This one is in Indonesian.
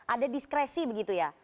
ada diskresi begitu ya